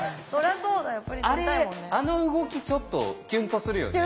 あれあの動きちょっとキュンとするよね。